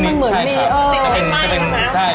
มันเหมือนมี